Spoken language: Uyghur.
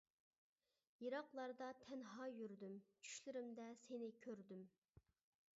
يىراقلاردا تەنھا يۈردۈم، چۈشلىرىمدە سېنى كۆردۈم.